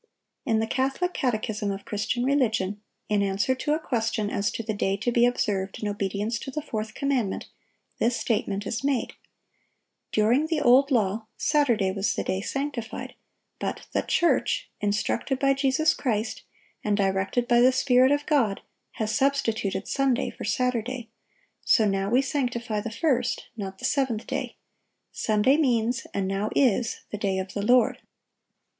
In the "Catholic Catechism of Christian Religion," in answer to a question as to the day to be observed in obedience to the fourth commandment, this statement is made: "During the old law, Saturday was the day sanctified; but the church, instructed by Jesus Christ, and directed by the Spirit of God, has substituted Sunday for Saturday; so now we sanctify the first, not the seventh day. Sunday means, and now is, the day of the Lord."